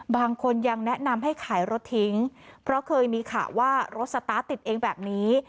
บางคนยังแนะนำให้ขายรถทิ้งเพราะเคยมีข่าวว่ารถสตาร์ทติดเองแบบนี้